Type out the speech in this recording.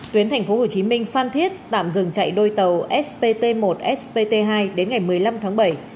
tuyến tp hcm phan thiết tạm dừng chạy đôi tàu spt một spt hai đến ngày một mươi năm tháng bảy